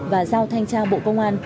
và giao thanh tra bộ công an